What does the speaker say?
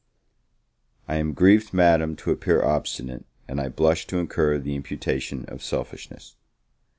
I AM grieved, Madam, to appear obstinate, and I blush to incur the imputation of selfishness.